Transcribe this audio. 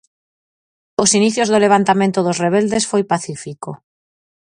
Os inicios do levantamento dos rebeldes foi pacífico.